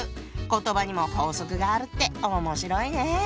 言葉にも法則があるって面白いね。